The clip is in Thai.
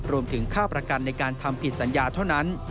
รวมถึงค่าประกันในการทำผิดสัญญาเท่านั้น